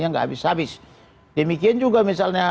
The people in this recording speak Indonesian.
nggak habis habis demikian juga misalnya